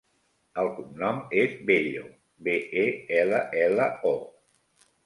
El cognom és Bello: be, e, ela, ela, o.